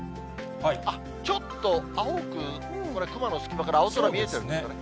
ちょっと青く、これ、雲の隙間から青空見えてるんですかね。